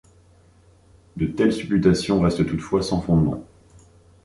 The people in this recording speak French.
De telles supputations restent toutefois sans fondement.